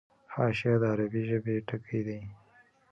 حاشیه د عربي ژبي ټکی دﺉ.